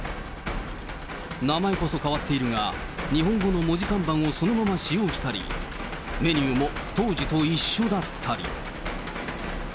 名前こそ変わっているが、日本語の文字看板をそのまま使用したり、メニューも当時と一緒だったり。